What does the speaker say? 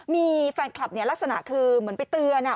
มีแฟนคลับเนี่ยลักษณะคือเหมือนไปเตือน